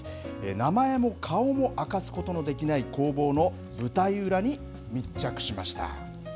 名前も顔も明かすことのできない攻防の舞台裏に密着しました。